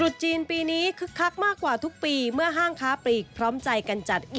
สินค้ากิจมันมีหัวใจ